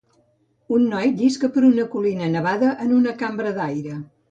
Un noi llisca per una colina nevada en una cambra d'aire.